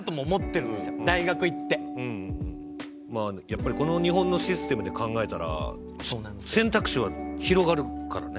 まあやっぱりこの日本のシステムで考えたら選択肢は広がるからね。